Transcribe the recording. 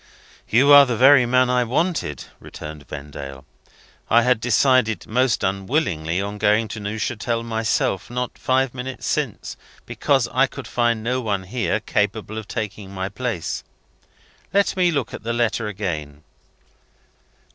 "You are the very man I wanted," returned Vendale. "I had decided, most unwillingly, on going to Neuchatel myself, not five minutes since, because I could find no one here capable of taking my place. Let me look at the letter again."